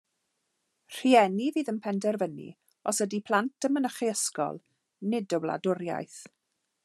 Rhieni fydd yn penderfynu os ydi plant yn mynychu ysgol, nid y wladwriaeth.